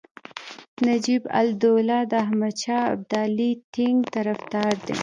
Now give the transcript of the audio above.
نجیب الدوله د احمدشاه ابدالي ټینګ طرفدار دی.